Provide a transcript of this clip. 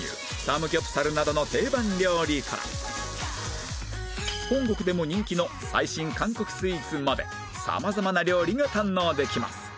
サムギョプサルなどの定番料理から本国でも人気の最新韓国スイーツまで様々な料理が堪能できます